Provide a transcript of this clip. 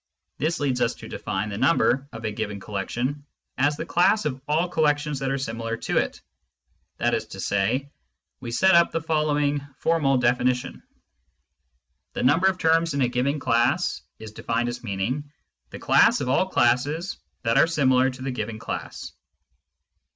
This leads us to define the number of a given collection as the class of aU collections that are similar to it ; that is to say, we set up the following formal definition :" The number of terms in a given class " is defined as meaning " the class of all classes that are similar to the given class."